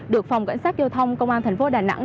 được phòng cảnh sát giao thông công an thành phố đà nẵng